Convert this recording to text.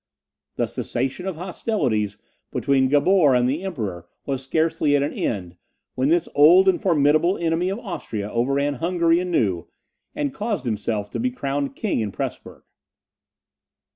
The cessation of hostilities between Gabor and the Emperor was scarcely at an end, when this old and formidable enemy of Austria overran Hungary anew, and caused himself to be crowned king in Presburg.